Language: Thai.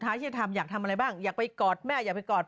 นางคิดแบบว่าไม่ไหวแล้วไปกด